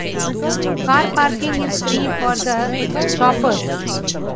Car parking is free for the shoppers.